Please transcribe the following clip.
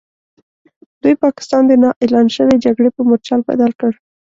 دوی پاکستان د نا اعلان شوې جګړې په مورچل بدل کړ.